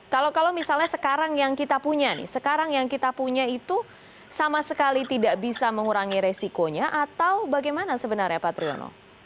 kalau misalnya sekarang yang kita punya nih sekarang yang kita punya itu sama sekali tidak bisa mengurangi resikonya atau bagaimana sebenarnya pak triyono